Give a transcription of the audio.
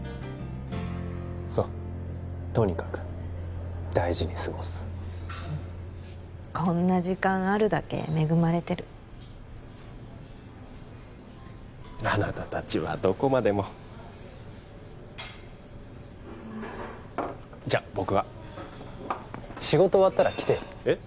そうとにかく大事に過ごすうんこんな時間あるだけ恵まれてるあなたたちはどこまでもじゃあ僕は仕事終わったら来てよえっ？